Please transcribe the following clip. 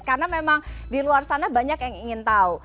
karena memang di luar sana banyak yang ingin tahu